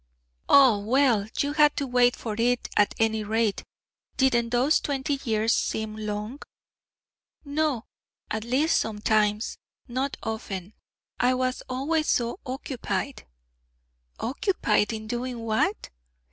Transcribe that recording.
'Ah, well, you had to wait for it, at any rate. Didn't those twenty years seem long?' 'No at least sometimes not often. I was always so occupied.' 'Occupied in doing what?'